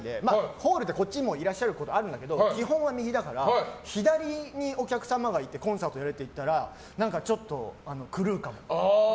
ホールでこっちにもいらっしゃることあるんだけど基本は右だから左にお客様がいてコンサートをやれって言われたらちょっと狂うかも。